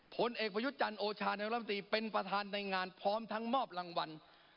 ผลเอกพยุจรรย์โอชาแนวรัมตีเป็นประธานในงานพร้อมทั้งมอบรางวัล